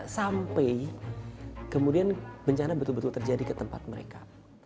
sampai kemudian bencana betul betul terjadi ke tempat mereka